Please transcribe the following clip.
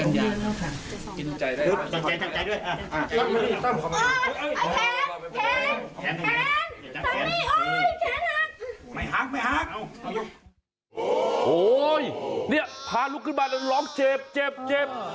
โอ้โหเนี่ยพาลุกขึ้นมาแล้วร้องเจ็บเจ็บเจ็บ